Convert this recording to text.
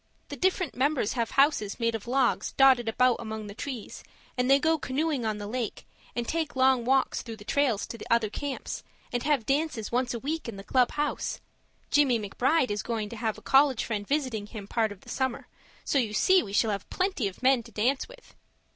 The different members have houses made of logs dotted about among the trees, and they go canoeing on the lake, and take long walks through trails to other camps, and have dances once a week in the club house Jimmie McBride is going to have a college friend visiting him part of the summer, so you see we shall have plenty of men to dance with.